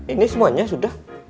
ini semuanya sudah